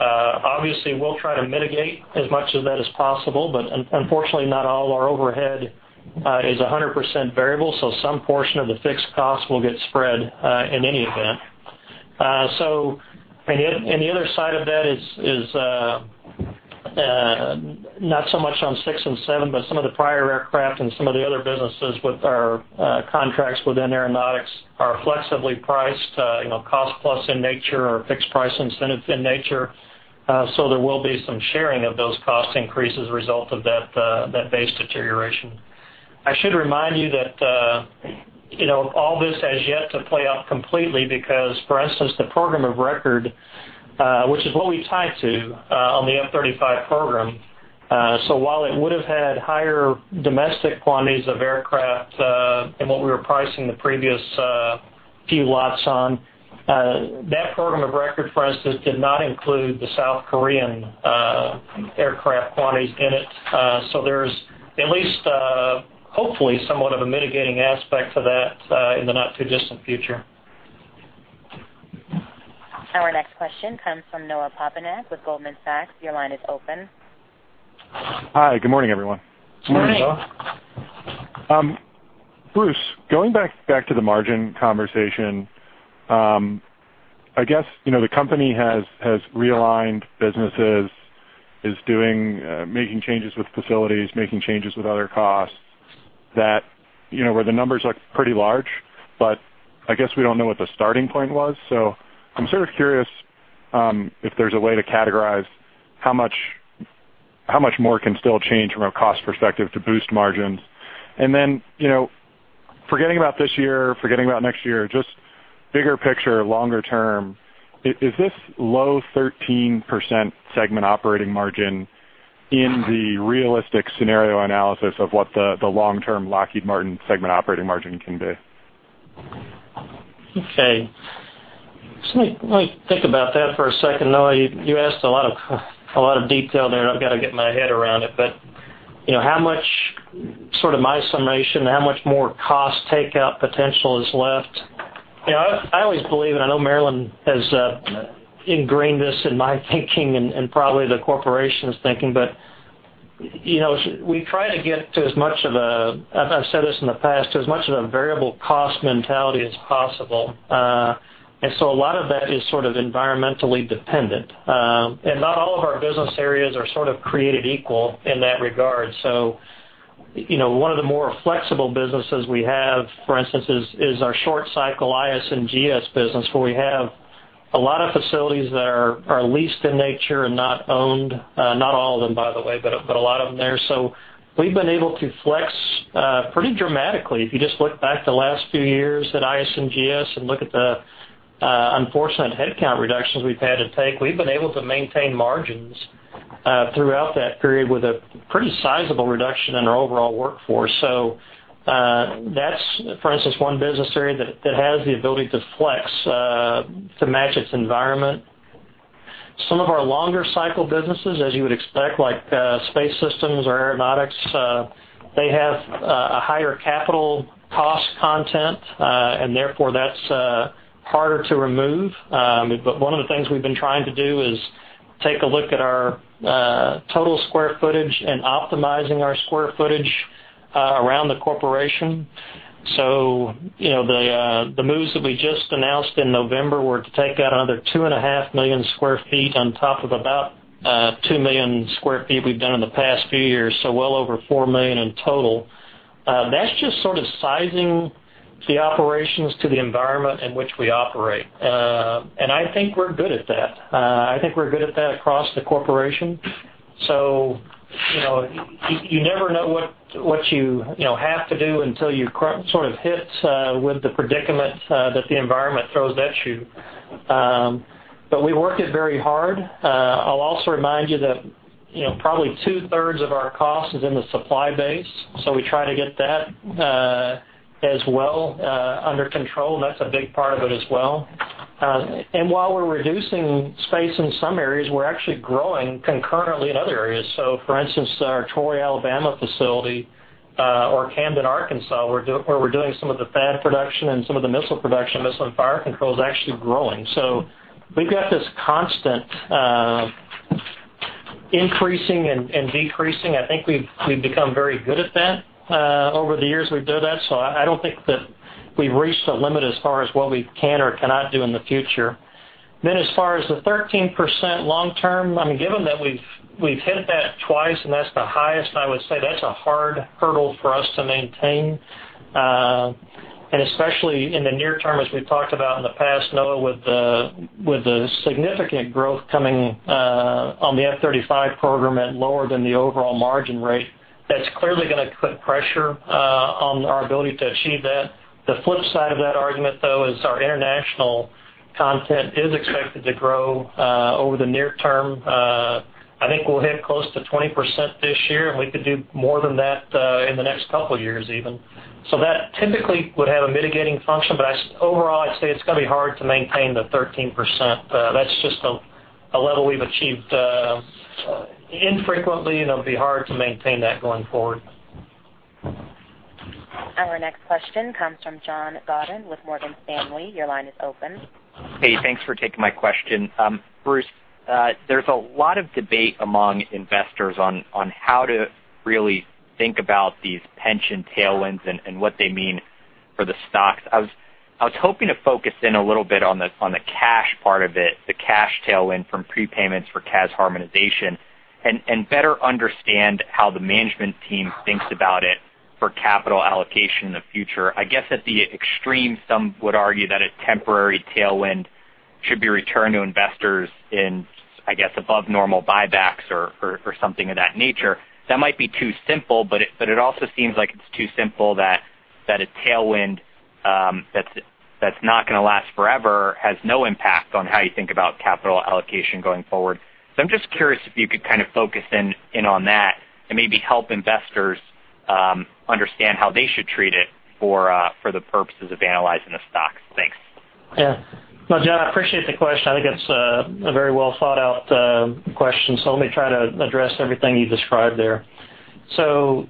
Obviously, we'll try to mitigate as much of that as possible, but unfortunately, not all our overhead is 100% variable, so some portion of the fixed cost will get spread in any event. The other side of that is not so much on six and seven, but some of the prior aircraft and some of the other businesses with our contracts within Aeronautics are flexibly priced cost-plus in nature or fixed price incentive in nature. There will be some sharing of those cost increases result of that base deterioration. I should remind you that all this has yet to play out completely because, for instance, the program of record which is what we tie to on the F-35 program. While it would have had higher domestic quantities of aircraft in what we were pricing the previous few lots on, that program of record, for instance, did not include the South Korean aircraft quantities in it. There's at least, hopefully, somewhat of a mitigating aspect to that in the not too distant future. Our next question comes from Noah Poponak with Goldman Sachs. Your line is open. Hi, good morning, everyone. Morning, Noah. Bruce, going back to the margin conversation. I guess the company has realigned businesses, is making changes with facilities, making changes with other costs where the numbers look pretty large, but I guess we don't know what the starting point was. I'm sort of curious if there's a way to categorize how much more can still change from a cost perspective to boost margins. Then, forgetting about this year, forgetting about next year, just bigger picture, longer term, is this low 13% segment operating margin in the realistic scenario analysis of what the long-term Lockheed Martin segment operating margin can be? Okay. Just let me think about that for a second, Noah. You asked a lot of detail there, and I've got to get my head around it. Sort of my summation, how much more cost takeout potential is left? Yeah, I always believe, and I know Marillyn has ingrained this in my thinking and probably the corporation's thinking, but we try to get to, I've said this in the past, as much of a variable cost mentality as possible. A lot of that is sort of environmentally dependent. Not all of our business areas are sort of created equal in that regard. One of the more flexible businesses we have, for instance, is our short cycle IS&GS business, where we have a lot of facilities that are leased in nature and not owned. Not all of them, by the way, but a lot of them there. We've been able to flex pretty dramatically. If you just look back the last few years at IS&GS and look at the unfortunate headcount reductions we've had to take, we've been able to maintain margins throughout that period with a pretty sizable reduction in our overall workforce. That's, for instance, one business area that has the ability to flex to match its environment. Some of our longer cycle businesses, as you would expect, like space systems or aeronautics, they have a higher capital cost content, and therefore that's harder to remove. One of the things we've been trying to do is take a look at our total square footage and optimizing our square footage around the corporation. The moves that we just announced in November were to take out another 2.5 million sq ft on top of about 2 million sq ft we've done in the past few years. Well over 4 million in total. That's just sort of sizing the operations to the environment in which we operate. I think we're good at that. I think we're good at that across the corporation. You never know what you have to do until you're sort of hit with the predicament that the environment throws at you. We work it very hard. I'll also remind you that probably two-thirds of our cost is in the supply base, so we try to get that as well under control. That's a big part of it as well. While we're reducing space in some areas, we're actually growing concurrently in other areas. For instance, our Troy, Alabama facility, or Camden, Arkansas, where we're doing some of the FAAD production and some of the missile production, missile and fire control, is actually growing. We've got this constant increasing and decreasing. I think we've become very good at that over the years we do that. I don't think that we've reached a limit as far as what we can or cannot do in the future. As far as the 13% long term, given that we've hit that twice and that's the highest, I would say that's a hard hurdle for us to maintain. Especially in the near term, as we've talked about in the past, Noah, with the significant growth coming on the F-35 program at lower than the overall margin rate, that's clearly going to put pressure on our ability to achieve that. The flip side of that argument, though, is our international content is expected to grow over the near term. I think we'll hit close to 20% this year, and we could do more than that in the next couple of years even. That typically would have a mitigating function, but overall, I'd say it's going to be hard to maintain the 13%. That's just a level we've achieved infrequently, and it'll be hard to maintain that going forward. Our next question comes from John Godyn with Morgan Stanley. Your line is open. Thanks for taking my question. Bruce, there's a lot of debate among investors on how to really think about these pension tailwinds and what they mean for the stocks. I was hoping to focus in a little bit on the cash part of it, the cash tailwind from prepayments for CAS harmonization, and better understand how the management team thinks about it for capital allocation in the future. I guess at the extreme, some would argue that a temporary tailwind should be returned to investors in, I guess, above normal buybacks or something of that nature. That might be too simple, it also seems like it's too simple that a tailwind that's not going to last forever has no impact on how you think about capital allocation going forward. I'm just curious if you could kind of focus in on that and maybe help investors understand how they should treat it for the purposes of analyzing the stocks. Thanks. Well, John, I appreciate the question. I think it's a very well thought out question, so let me try to address everything you described there. In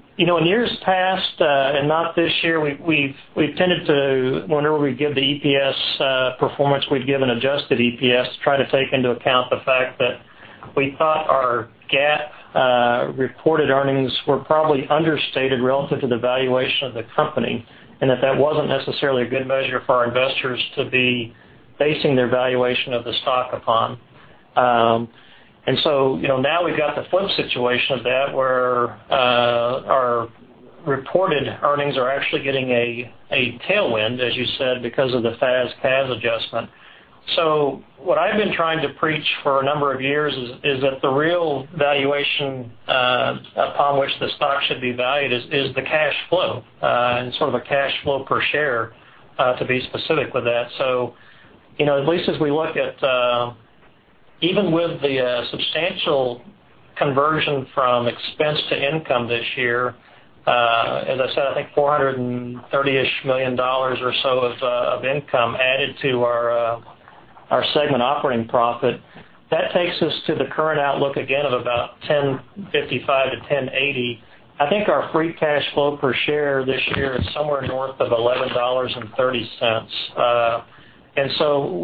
years past, and not this year, whenever we give the EPS performance, we've given adjusted EPS to try to take into account the fact that we thought our GAAP reported earnings were probably understated relative to the valuation of the company, and that wasn't necessarily a good measure for our investors to be basing their valuation of the stock upon. Now we've got the flip situation of that, where our reported earnings are actually getting a tailwind, as you said, because of the FAS/CAS adjustment. What I've been trying to preach for a number of years is that the real valuation upon which the stock should be valued is the cash flow, and sort of a cash flow per share, to be specific with that. At least as we look at even with the substantial conversion from expense to income this year, as I said, I think $430 million or so of income added to our segment operating profit. That takes us to the current outlook again of about $10.55-$10.80. I think our free cash flow per share this year is somewhere north of $11.30.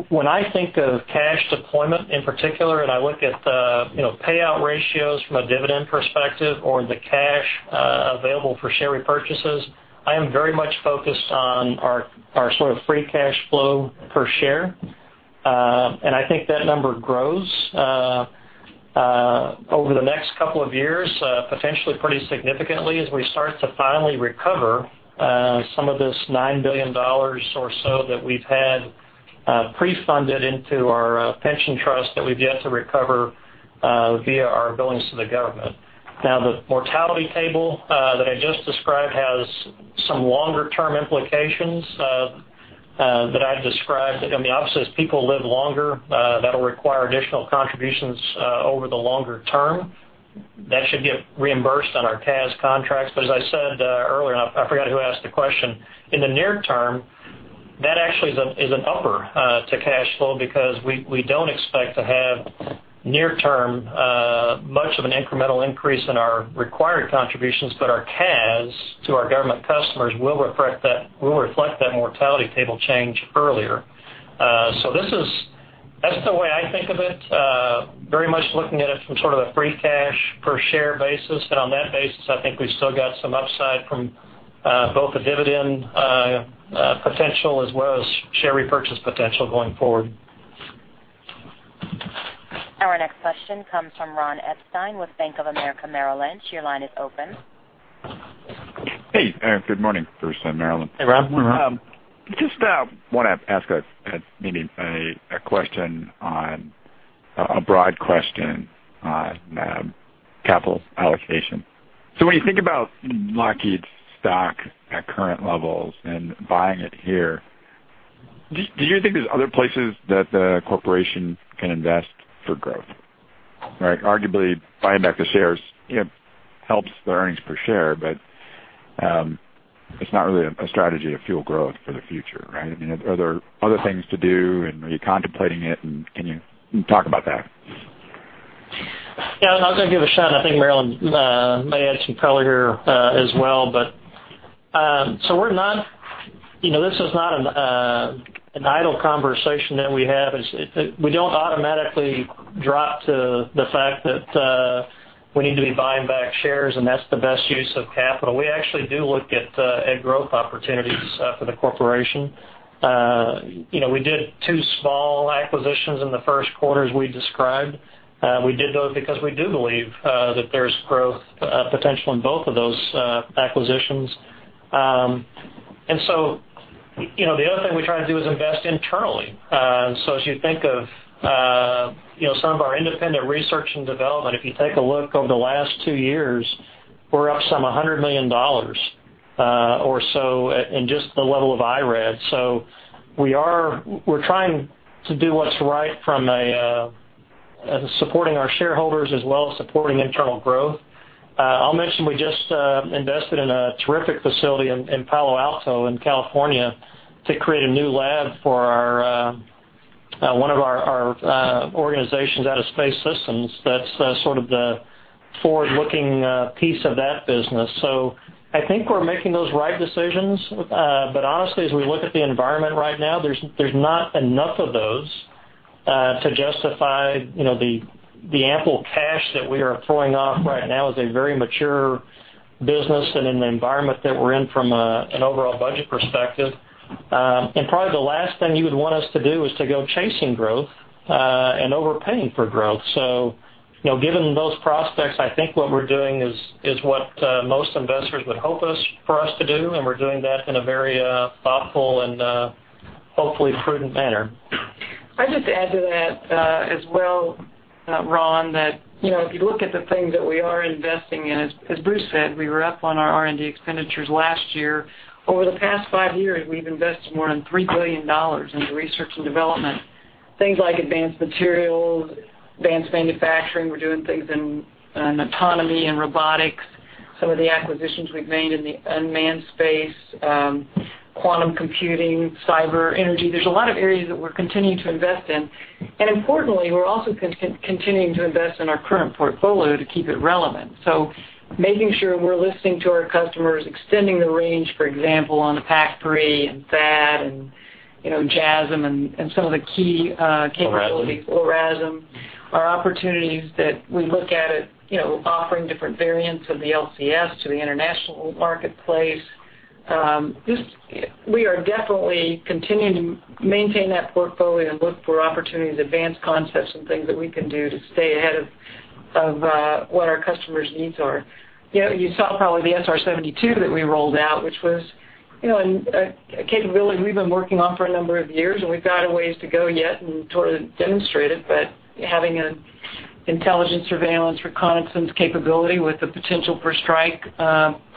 When I think of cash deployment in particular, and I look at the payout ratios from a dividend perspective or the cash available for share repurchases, I am very much focused on our sort of free cash flow per share. I think that number grows over the next couple of years, potentially pretty significantly as we start to finally recover some of this $9 billion or so that we've had pre-funded into our pension trust that we've yet to recover via our billings to the government. Now, the mortality table that I just described has some longer-term implications that I've described. Obviously, as people live longer, that'll require additional contributions over the longer term. That should get reimbursed on our CAS contracts. As I said earlier, and I forgot who asked the question, in the near term, that actually is an upper to cash flow because we don't expect to have near term much of an incremental increase in our required contributions, but our CAS to our government customers will reflect that mortality table change earlier. That's the way I think of it, very much looking at it from sort of a free cash per share basis. On that basis, I think we've still got some upside from both the dividend potential as well as share repurchase potential going forward. Our next question comes from Ron Epstein with Bank of America Merrill Lynch. Your line is open. Hey, good morning, Bruce and Marillyn. Hey, Ron. Just want to ask maybe a broad question on capital allocation. When you think about Lockheed stock at current levels and buying it here, do you think there's other places that the corporation can invest for growth? Right. Arguably, buying back the shares helps the earnings per share, but it's not really a strategy to fuel growth for the future, right? Are there other things to do, and are you contemplating it, and can you talk about that? Yeah, I'm going to give it a shot, and I think Marillyn may add some color here as well. This is not an idle conversation that we have. We don't automatically drop to the fact that we need to be buying back shares and that's the best use of capital. We actually do look at growth opportunities for the corporation. We did two small acquisitions in the first quarter, as we described. We did those because we do believe that there's growth potential in both of those acquisitions. The other thing we try to do is invest internally. As you think of some of our independent research and development, if you take a look over the last two years, we're up some $100 million or so in just the level of IRAD. We're trying to do what's right from supporting our shareholders as well as supporting internal growth. I'll mention we just invested in a terrific facility in Palo Alto in California to create a new lab for one of our organizations out of Space Systems. That's sort of the forward-looking piece of that business. I think we're making those right decisions. Honestly, as we look at the environment right now, there's not enough of those to justify the ample cash that we are throwing off right now as a very mature business and in the environment that we're in from an overall budget perspective. Probably the last thing you would want us to do is to go chasing growth and overpaying for growth. Given those prospects, I think what we're doing is what most investors would hope for us to do, and we're doing that in a very thoughtful and hopefully prudent manner. I'd just add to that as well, Ron, that if you look at the things that we are investing in, as Bruce said, we were up on our R&D expenditures last year. Over the past five years, we've invested more than $3 billion into research and development, things like advanced materials, advanced manufacturing, autonomy and robotics, some of the acquisitions we've made in the unmanned space, quantum computing, cyber, energy. There's a lot of areas that we're continuing to invest in. Importantly, we're also continuing to invest in our current portfolio to keep it relevant. Making sure we're listening to our customers, extending the range, for example, on the PAC-3 and THAAD and JASSM and some of the key capabilities. LRASM. LRASM. Our opportunities that we look at it, offering different variants of the LCS to the international marketplace. We are definitely continuing to maintain that portfolio and look for opportunities, advanced concepts, and things that we can do to stay ahead of what our customers' needs are. You saw probably the SR-72 that we rolled out, which was a capability we've been working on for a number of years, and we've got a ways to go yet and demonstrate it, having an intelligence surveillance reconnaissance capability with the potential for strike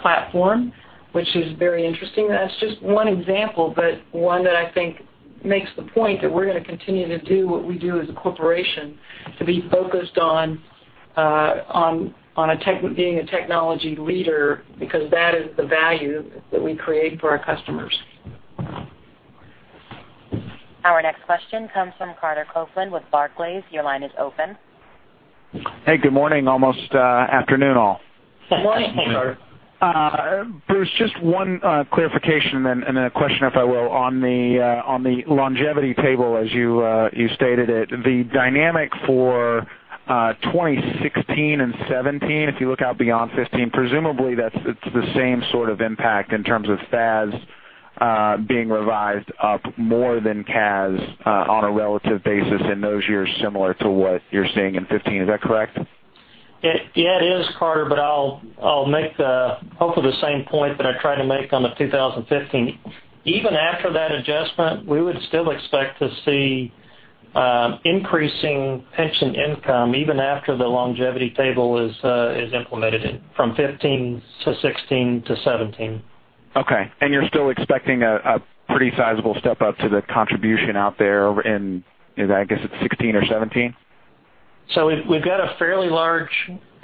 platform, which is very interesting. That's just one example, but one that I think makes the point that we're going to continue to do what we do as a corporation to be focused on being a technology leader because that is the value that we create for our customers. Our next question comes from Carter Copeland with Barclays. Your line is open. Hey, good morning, almost afternoon all. Good morning. Sorry. Bruce, just one clarification then and then a question, if I will, on the longevity table as you stated it. The dynamic for 2016 and 2017, if you look out beyond 2015, presumably it's the same sort of impact in terms of FAS being revised up more than CAS on a relative basis in those years similar to what you're seeing in 2015. Is that correct? It is Carter. I'll make hopefully the same point that I tried to make on the 2015. Even after that adjustment, we would still expect to see increasing pension income even after the longevity table is implemented from 2015 to 2016 to 2017. Okay. You're still expecting a pretty sizable step-up to the contribution out there in, I guess it's 2016 or 2017? We've got a fairly large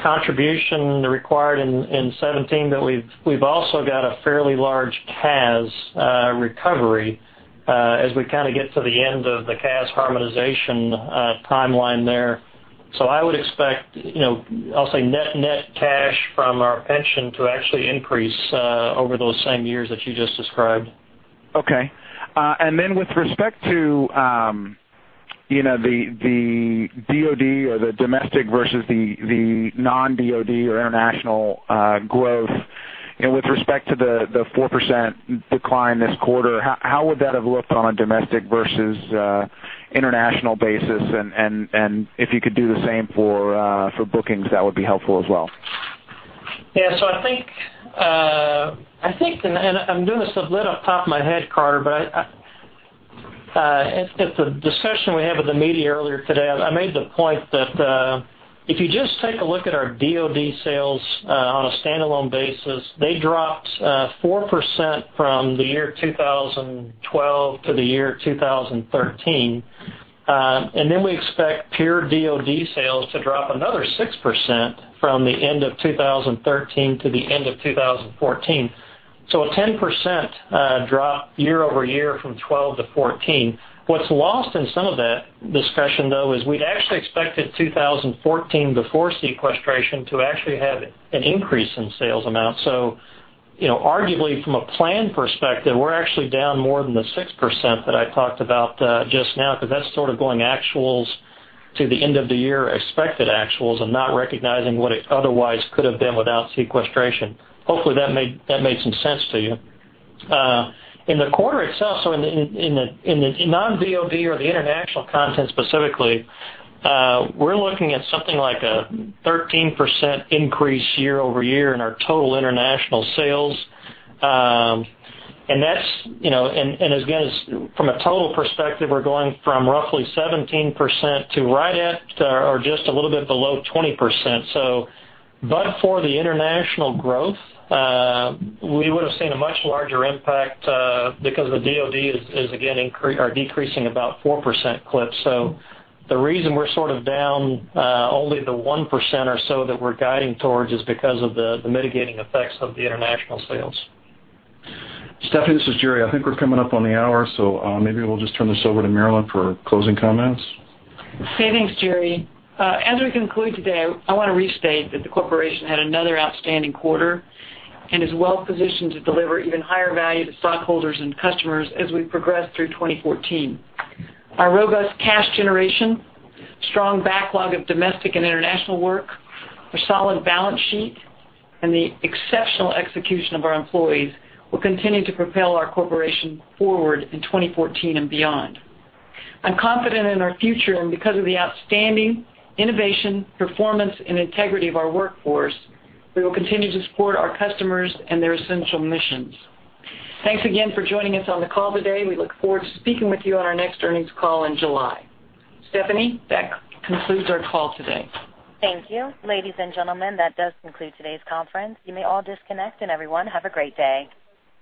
contribution required in 2017, but we've also got a fairly large CAS recovery as we kind of get to the end of the CAS harmonization timeline there. I would expect, I'll say net cash from our pension to actually increase over those same years that you just described. Okay. Then with respect to the DoD or the domestic versus the non-DoD or international growth and with respect to the 4% decline this quarter, how would that have looked on a domestic versus international basis? If you could do the same for bookings, that would be helpful as well. Yeah. I think, and I'm doing this a little off the top of my head, Carter, but at the discussion we had with the media earlier today, I made the point that if you just take a look at our DoD sales on a standalone basis, they dropped 4% from the year 2012 to the year 2013. We expect pure DoD sales to drop another 6% from the end of 2013 to the end of 2014. A 10% drop year-over-year from 2012 to 2014. What's lost in some of that discussion, though, is we'd actually expected 2014 before sequestration to actually have an increase in sales amount. Arguably from a plan perspective, we're actually down more than the 6% that I talked about just now because that's sort of going actuals to the end of the year expected actuals and not recognizing what it otherwise could have been without sequestration. Hopefully, that made some sense to you. In the quarter itself, in the non-DoD or the international content specifically, we're looking at something like a 13% increase year-over-year in our total international sales. From a total perspective, we're going from roughly 17% to right at or just a little bit below 20%. For the international growth, we would have seen a much larger impact because the DoD is again decreasing about 4% clip. The reason we're sort of down only the 1% or so that we're guiding towards is because of the mitigating effects of the international sales. Stephanie, this is Jerry. I think we're coming up on the hour. Maybe we'll just turn this over to Marillyn for closing comments. Okay, thanks, Jerry. As we conclude today, I want to restate that the corporation had another outstanding quarter and is well positioned to deliver even higher value to stockholders and customers as we progress through 2014. Our robust cash generation, strong backlog of domestic and international work, our solid balance sheet, and the exceptional execution of our employees will continue to propel our corporation forward in 2014 and beyond. I'm confident in our future. Because of the outstanding innovation, performance, and integrity of our workforce, we will continue to support our customers and their essential missions. Thanks again for joining us on the call today. We look forward to speaking with you on our next earnings call in July. Stephanie, that concludes our call today. Thank you. Ladies and gentlemen, that does conclude today's conference. You may all disconnect. Everyone, have a great day.